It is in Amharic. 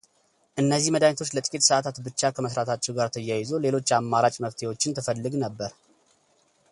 እነዚህ መድኃኒቶች ለጥቂት ሰዓታት ብቻ ከመሥራታቸው ጋር ተያይዞ ሌሎች አማራጭ መፍትሄዎችን ትፈልግ ነበር።